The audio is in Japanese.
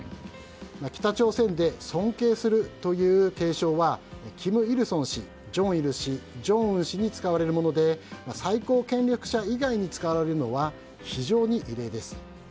北朝鮮で尊敬するという敬称は金日成氏、正日氏正恩氏に使われるもので最高権力者以外に使われるのは非常に異例です。